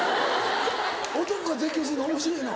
男が絶叫するのおもしろいの？